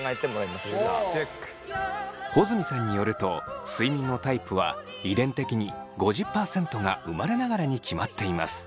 穂積さんによると睡眠のタイプは遺伝的に５０％が生まれながらに決まっています。